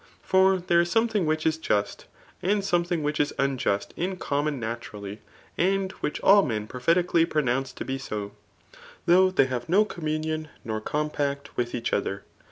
:Far there is something winch is just, and something which is uDJust in common naturally, and which all o^ prophetically pronounce to be so^ though they haye n^ compiunion. iior compact with each other.